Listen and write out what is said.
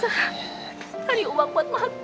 hanya uang buat makan nak